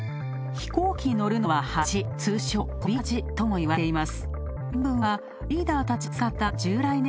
飛行機に乗るのは恥、通称、飛び恥ともいわれています。